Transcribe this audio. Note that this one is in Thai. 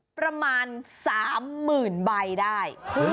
ประมาณสามหมื่นใบได้